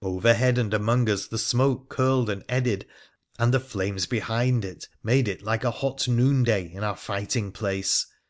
Overhead and among us the smoke curled and eddied, and the flames behind it made it like a hot noonday in our fighting place.